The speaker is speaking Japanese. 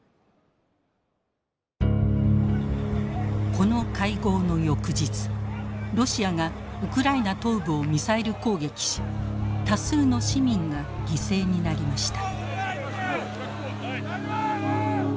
この会合の翌日ロシアがウクライナ東部をミサイル攻撃し多数の市民が犠牲になりました。